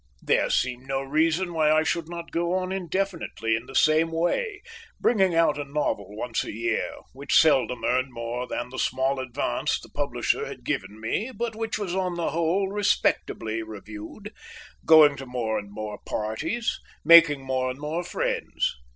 There seemed no reason why I should not go on indefinitely in the same way, bringing out a novel once a year (which seldom earned more than the small advance the publisher had given me but which was on the whole respectably reviewed), going to more and more parties, making more and more friends.